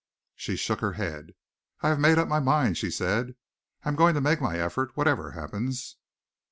She shook her head. "I have made up my mind," she said. "I am going to make my effort, whatever happens."